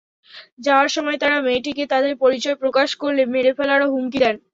যাওয়ার সময় তাঁরা মেয়েটিকে তাঁদের পরিচয় প্রকাশ করলে মেরে ফেলারও হুমকি দেন।